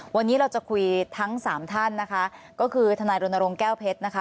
วันนี้เราจะคุยทั้งสามท่านนะคะก็คือทนายรณรงค์แก้วเพชรนะคะ